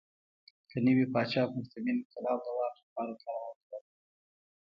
که نوي پاچا پرتمین انقلاب د واک لپاره کارولی وای.